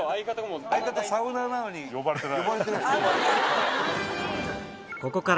サウナーなのに呼ばれてない？